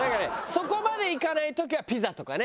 そこまでいかない時はピザとかね。